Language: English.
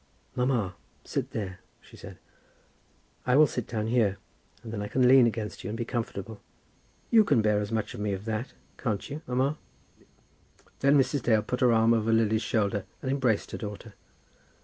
"Mamma, sit there," she said; "I will sit down here, and then I can lean against you and be comfortable. You can bear as much of me as that, can't you, mamma?" Then Mrs. Dale put her arm over Lily's shoulder, and embraced her daughter.